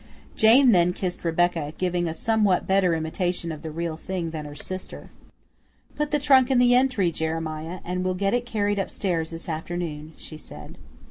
Jane then kissed Rebecca, giving a somewhat better imitation of the real thing than her sister. "Put the trunk in the entry, Jeremiah, and we'll get it carried upstairs this afternoon," she said.